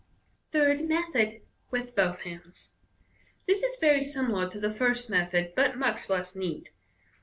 Third Method. (With both hands.) — This is very similar to the first method, but much less neat.